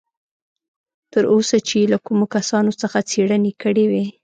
تر اوسه چې یې له کومو کسانو څخه څېړنې کړې وې.